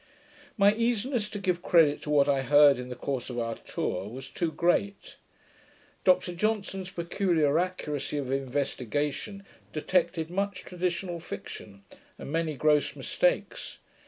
My easiness to give credit to what I heard in the course of our tour was too great. Dr Johnson's peculiar accuracy of investigation detected much traditional fiction, and many gross mistakes.